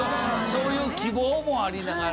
そういう希望もありながら。